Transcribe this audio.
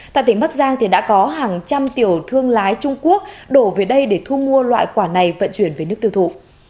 tại tỉnh bắc giang đã có hàng trăm tiểu thương lái trung quốc đổ về đây để thu mua loại quả này vận chuyển về nước tiêu thụ